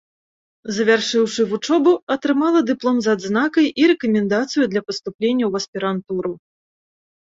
Завяршыўшы вучобу, атрымала дыплом з адзнакай і рэкамендацыю для паступлення ў аспірантуру.